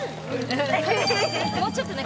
もうちょっとね